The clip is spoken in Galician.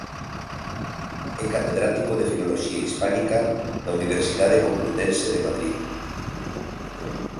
É catedrático de Filoloxía Hispánica da Universidade Complutense de Madrid.